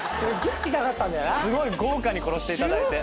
すごい豪華に殺していただいて。